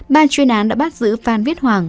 ban chuyên án đã bắt giữ phan viết hoàng